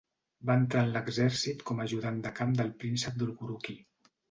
Va entrar en l'exèrcit com a ajudant de camp del príncep Dolgoruki.